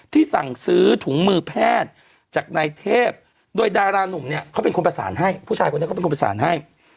สั่งซื้อถุงมือแพทย์จากนายเทพโดยดารานุ่มเนี่ยเขาเป็นคนประสานให้ผู้ชายคนนี้เขาเป็นคนประสานให้